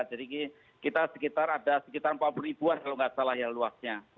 jadi kita sekitar ada sekitar empat an kalau tidak salah ya luasnya